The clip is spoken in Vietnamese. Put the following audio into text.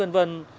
được tôn vinh